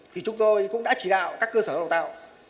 thì chúng tôi cũng đã chỉ đạo các cơ sở lao động tạo